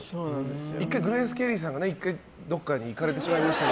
１回グレース・ケリーさんがどこかに行かれてしまいましたが。